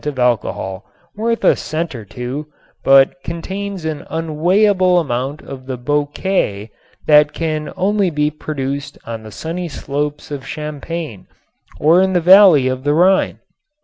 of alcohol, worth a cent or two, but contains an unweighable amount of the "bouquet" that can only be produced on the sunny slopes of Champagne or in the valley of the Rhine.